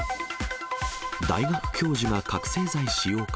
大学教授が覚醒剤使用か。